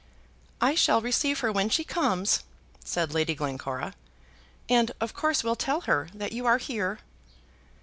"I shall receive her when she comes," said Lady Glencora, "and of course will tell her that you are here."